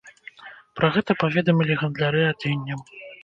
Пра гэта паведамілі гандляры адзеннем.